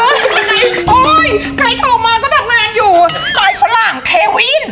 โอ๊ยใครโตมาก็ทำงานอยู่ซอยฝรั่งเควิน